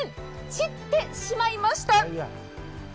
散ってしまいました！